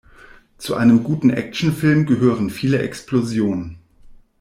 Zu einem guten Actionfilm gehören viele Explosionen.